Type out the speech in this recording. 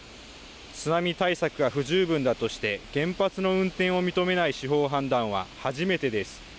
津波対策は不十分だとして原発の運転を認めない司法判断は初めてです。